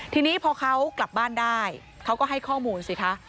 ทีนี้พอเขากลับบ้านได้เขาก็ให้ข้อมูลสิคะ